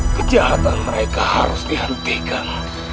kejahatan mereka harus dihentikan